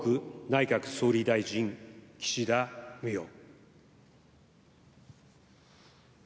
内閣総理大臣岸田文雄。